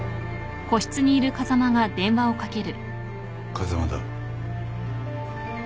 風間だ。